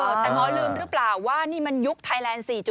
แต่หมอลืมหรือเปล่าว่านี่มันยุคไทยแลนด์๔๐